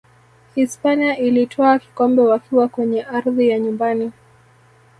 hispania ilitwaa kikombe wakiwa kwenye ardhi ya nyumbani